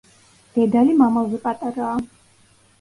დედალი მამალზე პატარაა.